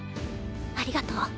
ありがとう。